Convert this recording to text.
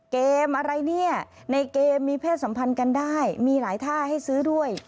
เกมอะไรเนี่ยในเกมมีเพศสัมพันธ์กันได้มีหลายท่าให้ซื้อด้วย